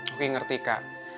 oke ngerti kak